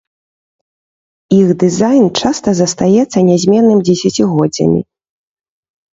Іх дызайн часта застаецца нязменным дзесяцігоддзямі.